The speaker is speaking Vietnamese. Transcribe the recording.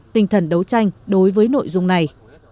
tinh thần đấu tranh đối với nội dung này